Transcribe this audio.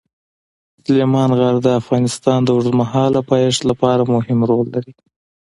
سلیمان غر د افغانستان د اوږدمهاله پایښت لپاره مهم رول لري.